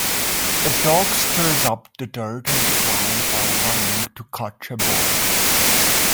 A dog stirs up the dirt on the ground while running to catch a ball.